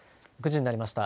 ９時になりました。